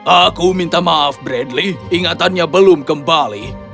aku minta maaf bradley ingatannya belum kembali